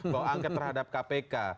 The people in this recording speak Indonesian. bahwa angket terhadap kpk